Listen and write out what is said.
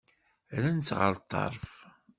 Rran-tt ɣer ṭṭerf.